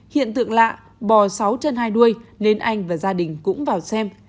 hiện tượng lạ bò sáu chân hai đuôi nên anh và gia đình cũng vào xem